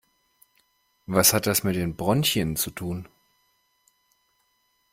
Was hat das mit den Bronchien zu tun?